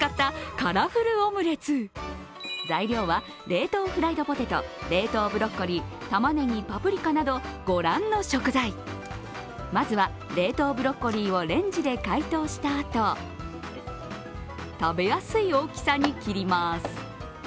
材料は、冷凍フライドポテト、冷凍ブロッコリー、たまねぎ、パプリカなど御覧の食材まずは冷凍ブロッコリーをレンジで解凍したあと食べやすい大きさに切ります。